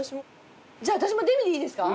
じゃあ私もデミでいいですか？